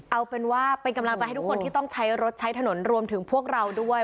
เอาเป็นว่าเป็นกำลังใจให้ทุกคนที่ต้องใช้รถใช้ถนนรวมถึงพวกเราด้วย